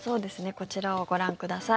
こちらをご覧ください。